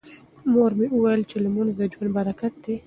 مور مې وویل چې لمونځ د ژوند برکت دی.